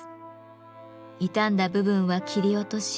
傷んだ部分は切り落とし